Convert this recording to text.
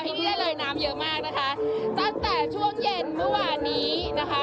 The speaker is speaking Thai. ที่นี่ได้ลอยน้ำเยอะมากนะคะตั้งแต่ช่วงเย็นเมื่อวานนี้นะคะ